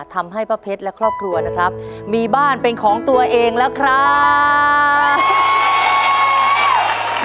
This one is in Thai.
ทำให้ป้าเพชรและครอบครัวนะครับมีบ้านเป็นของตัวเองแล้วครับ